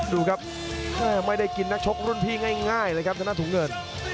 ดูครับไม่ได้กินนักชกรุ่นพี่ง่ายเลยครับธนาถุงเงิน